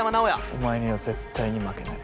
お前には絶対に負けない。